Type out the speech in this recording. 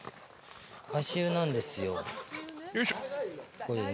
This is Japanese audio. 足湯なんですよ。